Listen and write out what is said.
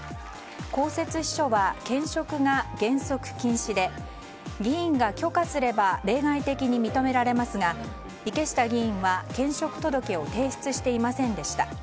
公設秘書は兼職が原則禁止で議員が許可すれば例外的に認められますが池下議員は兼職届を提出していませんでした。